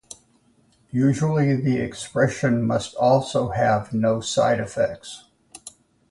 Usually the expression must also have no side effects.